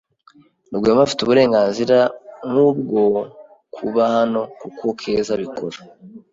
Rwema afite uburenganzira nkubwo kuba hano nkuko Keza abikora.